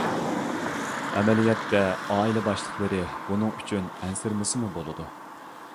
ئەمەلىيەتتە، ئائىلە باشلىقلىرى بۇنىڭ ئۈچۈن ئەنسىرىمىسىمۇ بولىدۇ.